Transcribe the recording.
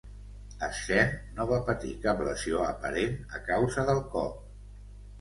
Schenn no va patir cap lesió aparent a causa del cop.